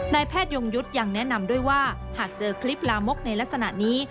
แพทยงยุทธ์ยังแนะนำด้วยว่าหากเจอคลิปลามกในลักษณะนี้